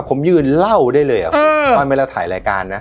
ผมยืนเล่าได้เลยอ่ะอืมก่อนเมื่อเราถ่ายรายการน่ะ